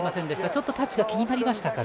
ちょっとタッチが気になりましたか。